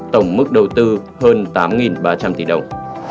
tổng mức đầu tư hơn tám ba trăm linh tỷ đồng